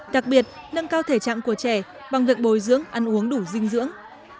đặc biệt nâng cao thể trạng của trẻ bằng việc bồi dưỡng ăn uống đủ dinh dưỡng